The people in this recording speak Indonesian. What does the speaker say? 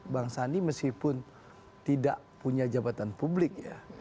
bang sandi meskipun tidak punya jabatan publik ya